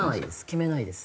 決めないです。